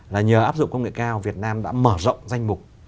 là nhờ áp dụng công nghệ cao việt nam đã mở rộng danh mục